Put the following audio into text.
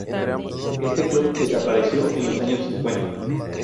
Este club desapareció en los años cincuenta.